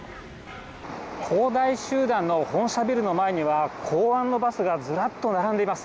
恒大集団の本社ビルの前には、公安のバスがずらっと並んでいます。